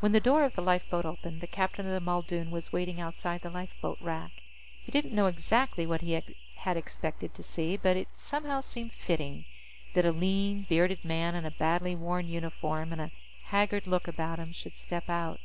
When the door of the lifeboat opened, the captain of the Muldoon was waiting outside the lifeboat rack. He didn't know exactly what he had expected to see, but it somehow seemed fitting that a lean, bearded man in a badly worn uniform and a haggard look about him should step out.